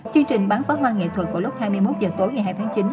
chương trình bán phát văn nghệ thuật vào lúc hai mươi một h tối ngày hai tháng chín